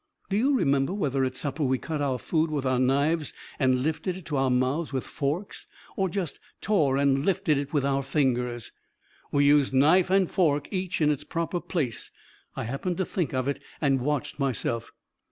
Do you remember whether at supper we cut our food with our knives and lifted it to our mouths with forks, or just tore and lifted with our fingers?" "We used knife and fork, each in its proper place. I happened to think of it and watched myself.